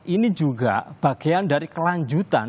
ini juga bagian dari kelanjutan